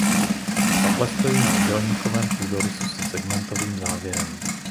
Kaple stojí na obdélníkovém půdorysu se segmentovým závěrem.